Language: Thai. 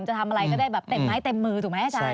จะทำอะไรก็ได้แบบเต็มไม้เต็มมือถูกไหมอาจารย์